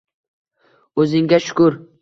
O‘zingga shukr.